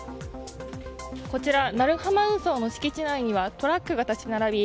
こちら、鳴浜運送の敷地内にはトラックが立ち並び